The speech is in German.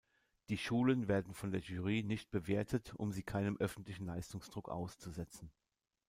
Die Schulen werden von der Jury nicht bewertet, um sie keinem öffentlichen Leistungsdruck auszusetzen.